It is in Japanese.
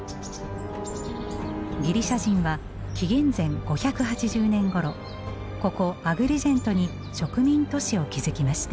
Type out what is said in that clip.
ギリシャ人は紀元前５８０年ごろここアグリジェントに植民都市を築きました。